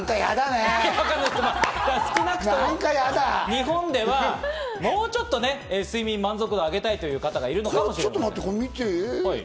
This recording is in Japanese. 日本では、もうちょっと睡眠満足度を上げたいという方がいるのかもしれない。